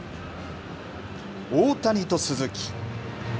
大谷と鈴木。